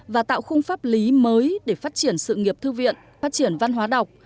và tạo khung pháp lý mới để phát triển sự nghiệp thư viện phát triển văn hóa đọc